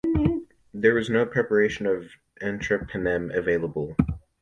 There is no preparation of ertapenem available.